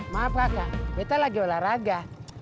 maaf kakak kita lagi olahraga